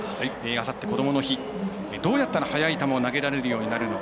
あさって、こどもの日どうやったら速い球を投げられるようになるの？